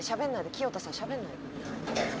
清田さんしゃべんないで。